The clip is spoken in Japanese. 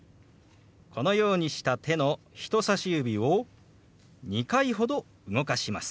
このようにした手の人さし指を２回ほど動かします。